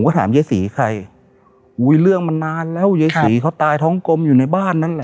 ก็ถามยายศรีใครอุ้ยเรื่องมันนานแล้วยายศรีเขาตายท้องกลมอยู่ในบ้านนั้นเหรอ